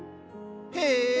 へえ。